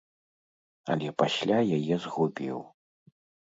Але пасля яе згубіў.